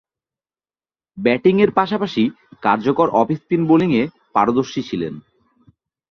ব্যাটিংয়ের পাশাপাশি কার্যকর অফ স্পিন বোলিংয়ে পারদর্শী ছিলেন।